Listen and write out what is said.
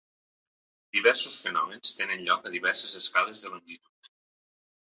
Diversos fenòmens tenen lloc a diverses escales de longitud.